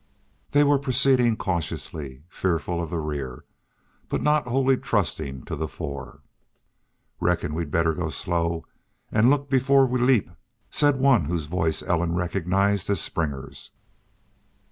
They were proceeding cautiously, fearful of the rear, but not wholly trusting to the fore. "Reckon we'd better go slow an' look before we leap," said one whose voice Ellen recognized as Springer's.